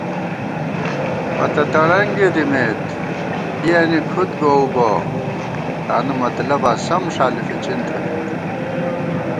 پتہ تڑنگےدِمېت، کِیَنی کُھد گوؤ بہ، تانُو مطلباں سَم ݭالی فِچِن تھنَئیت